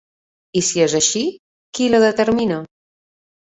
I si és així, qui la determina?